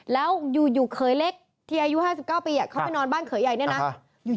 แล้วอยู่เขยเล็กที่อายุ๕๙ปีเขาไปนอนบ้านเขยใหญ่เนี่ยนะ